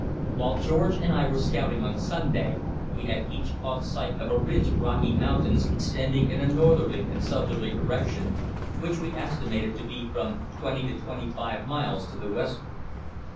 While George and I were scouting on Sunday, we had each caught sight of a ridge of rocky mountains extending in a northerly and southerly direction, which we estimated to be from twenty to twenty five miles to the westward.